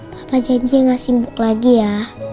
papa janji gak sibuk lagi ya